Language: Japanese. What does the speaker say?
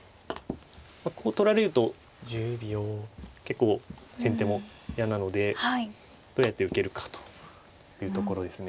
こう取られると結構先手も嫌なのでどうやって受けるかというところですね。